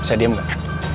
bisa diam nggak